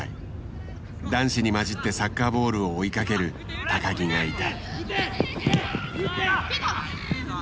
男子に交じってサッカーボールを追いかける木がいた。